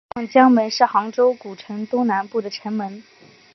望江门是杭州古城东南部的城门。